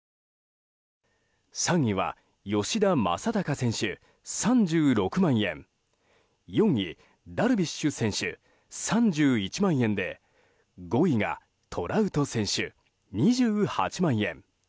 ３位は吉田正尚選手、３６万円４位、ダルビッシュ選手３１万円で５位がトラウト選手、２８万円。